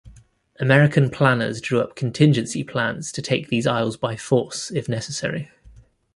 American planners drew up contingency plans to take these isles by force if necessary.